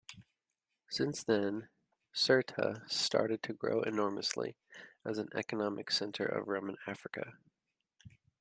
Since then Cirta started to grow enormously as an economic center of Roman Africa.